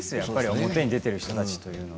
表に出ている人たちは。